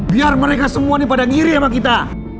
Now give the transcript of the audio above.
biar mereka semua nih pada ngiri sama kita